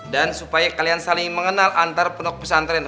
dan supaya kalian saling mengenal antar penuk pesantren